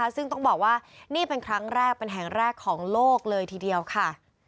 ซึ่งต้องบอกว่านี่เป็นครั้งแรกเป็นแห่งแรกของโลกเลยทีเดียวค่ะ